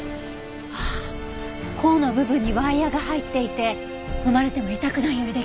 ああ甲の部分にワイヤが入っていて踏まれても痛くないようにできているんですね。